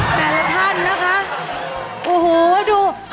แต่ละท่านนะคะโอ้โหดู